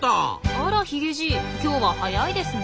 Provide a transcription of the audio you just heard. あらヒゲじい今日は早いですね。